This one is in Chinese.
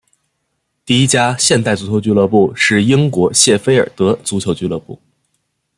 第一家现代足球俱乐部是英国谢菲尔德足球俱乐部。